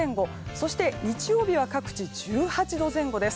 そして日曜日は各地１８度前後です。